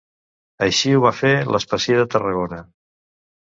Així ho va fer l'especier de Tarragona.